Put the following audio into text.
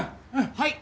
はい。